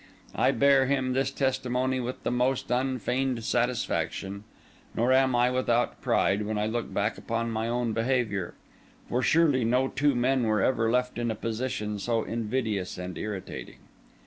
I bear him this testimony with the most unfeigned satisfaction; nor am I without pride when I look back upon my own behaviour. For surely no two men were ever left in a position so invidious and irritating.